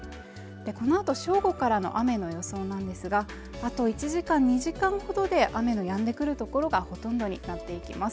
このあと正午からの雨の予想なんですが、あと１時間２時間ほどで雨の止んでくるところがほとんどになっていきます。